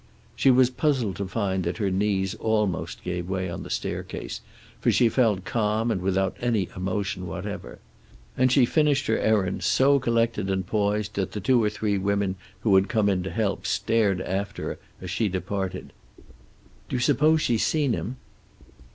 She was puzzled to find out that her knees almost gave way on the staircase, for she felt calm and without any emotion whatever. And she finished her errand, so collected and poised that the two or three women who had come in to help stared after her as she departed. "Do you suppose she's seen him?"